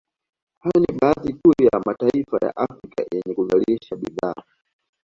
Hayo ni baadhi tu ya mataifa ya Afrika yenye kuzalisha bidhaa